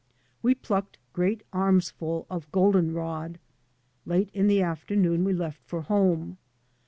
We plucked great arms ful of golden rod. Late in the afternoon we left for home.